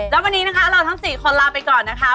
แล้ววันนี้นะคะเราทั้ง๔คนลาไปก่อนนะคะ